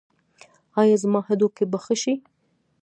ایا زما هډوکي به ښه شي؟